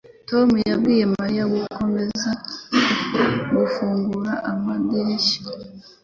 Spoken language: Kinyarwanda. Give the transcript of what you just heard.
Tom yabwiye Mariya gukomeza gufungura amadirishya.